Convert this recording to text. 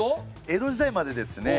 江戸時代までですね